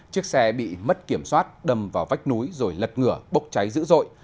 chiếc xe bị mất kiểm soát đâm vào vách núi rồi lật ngửa bốc cháy dữ dội